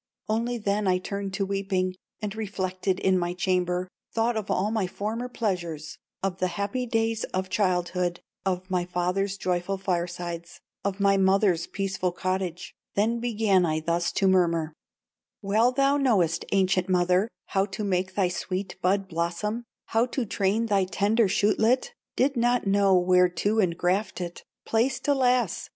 "Only then I turned to weeping, And reflected in my chamber, Thought of all my former pleasures Of the happy days of childhood, Of my father's joyful firesides, Of my mother's peaceful cottage, Then began I thus to murmur: 'Well thou knowest, ancient mother, How to make thy sweet bud blossom, How to train thy tender shootlet; Did not know where to ingraft it, Placed, alas!